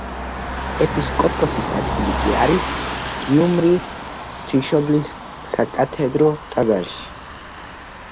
ეპისკოპოსის ადგილი კი არის გიუმრის ღვთისმშობლის საკათედრო ტაძარში.